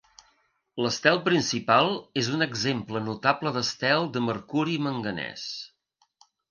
L'estel principal és un exemple notable d'estel de mercuri-manganès.